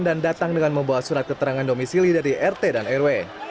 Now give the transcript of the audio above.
dan datang dengan membawa surat keterangan domisili dari rt dan rw